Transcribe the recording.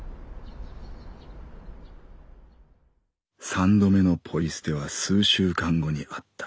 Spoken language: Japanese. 「三度目のポイ捨ては数週間後にあった。